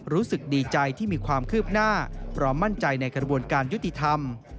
รู้สึกดีใจที่มีความคืบหน้าพร้อมมั่นใจในกระบวนการยุติธรรม